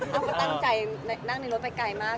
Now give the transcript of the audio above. เขาก็ตั้งใจนั่งในรถไปไกลมาก